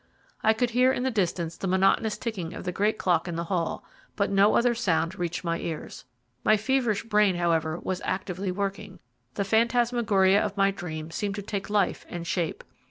I could hear in the distance the monotonous ticking of the great clock in the hall, but no other sound reached my ears. My feverish brain, however, was actively working. The phantasmagoria of my dream seemed to take life and shape.